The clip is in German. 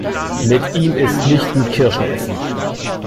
Mit ihm ist nicht gut Kirschen essen.